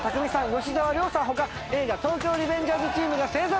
吉沢亮さん他映画東京リベンジャーズチームが勢揃い。